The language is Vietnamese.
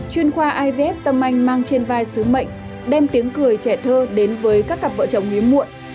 chuyên khoa ivf tâm anh mang trên vai sứ mệnh đem tiếng cười trẻ thơ đến với các cặp vợ chồng hiếm muộn